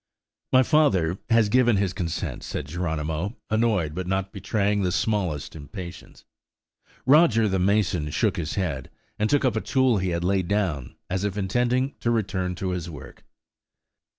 "My father has given his consent," said Geronimo, annoyed, but not betraying the smallest impatience. Roger the mason shook his head, and took up a tool he had laid down, as if intending to return to his work.